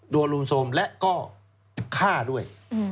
ดัวลุมโซมและก็ฆ่าด้วย